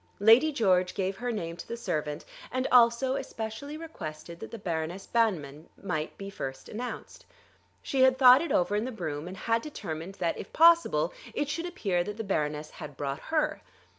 Lady George gave her name to the servant, and also especially requested that the Baroness Banmann might be first announced. She had thought it over in the brougham, and had determined that if possible it should appear that the Baroness had brought her.